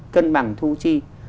cân bằng thu chi